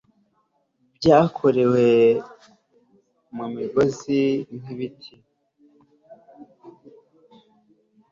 byakorewe mumigozi nkibiti